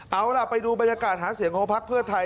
เอาล่ะไปดูบรรยากาศหาเสียงของพักเพื่อไทย